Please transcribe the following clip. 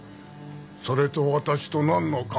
それと私となんの関係が？